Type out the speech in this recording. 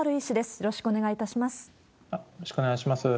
よろしくお願いします。